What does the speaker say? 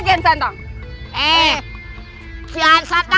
kian santang teh sahayu siapa